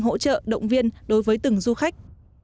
hỗ trợ động viên đối với từng du khách